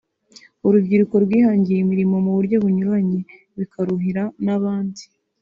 urubyiruko rwihangiye imirimo mu buryo bunyuranye bikaruhira n’abandi